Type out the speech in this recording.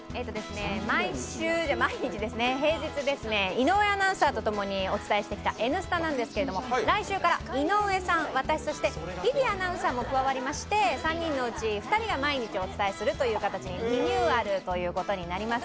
毎日平日井上アナウンサーとともにお伝えしてきた「Ｎスタ」なんですけれども、来週から、井上さん、私、日比アナウンサーも加わりまして、３人のうち２人が毎日お伝えするという形にリニューアルということになります。